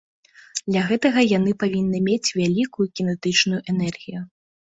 Для гэтага яны павінны мець вялікую кінетычную энергію.